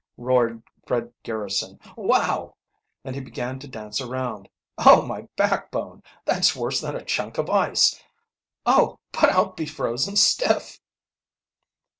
roared Fred Garrison. "Whow!" And he began to dance around. "Oh, my backbone! That's worse than a chunk of ice! Oh, but I'll be frozen stiff!"